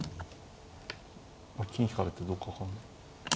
金引かれてどうか分かんない。